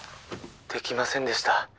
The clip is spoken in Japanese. ☎できませんでした